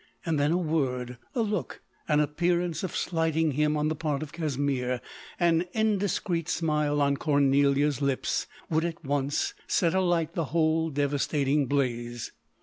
And then a word a look, an appear ance of slighting him on the part of Casimir, an indiscreet smile on Cornelia's lips, would at once set a light the whole devastating blaze.